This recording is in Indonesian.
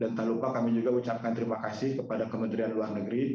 dan tak lupa kami juga ucapkan terima kasih kepada kementerian luar negeri